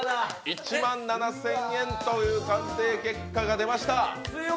１万７０００円という鑑定結果が出ました。